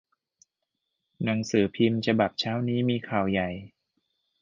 หนังสือพิมพ์ฉบับเช้านี้มีข่าวใหญ่